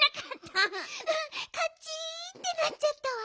うんカチンってなっちゃったわ。